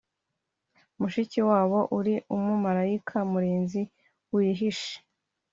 mushikiwabo, uri umumarayika murinzi wihishe.